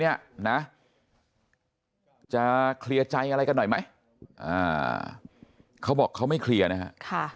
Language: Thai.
นะจะเคลียร์ใจอะไรกันหน่อยไหมเขาบอกเขาไม่เคลียร์นะฮะ